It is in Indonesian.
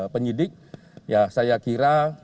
penyidik ya saya kira